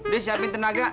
deh siapin tenaga